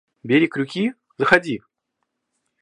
Бери крюки, заходи!